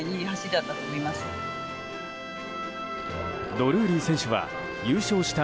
ドルーリー選手は優勝した